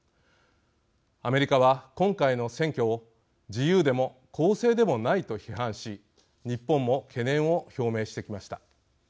アメリカは今回の選挙を自由でも公正でもないと批判し日本も懸念を表明してきました。